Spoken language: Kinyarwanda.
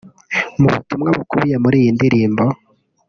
Mu butumwa bukubiye muri iyi ndirimbo